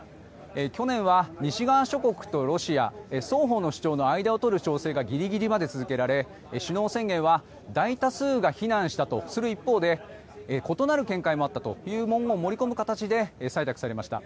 去年は西側諸国とロシア双方の主張の間を取る調整がギリギリまで続けられ首脳宣言は大多数が非難したとする一方で異なる見解もあったという文言を盛り込む形で採択されました。